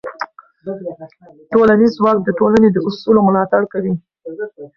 ټولنیز ځواک د ټولنې د اصولو ملاتړ کوي.